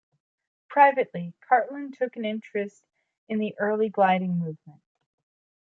Privately, Cartland took an interest in the early gliding movement.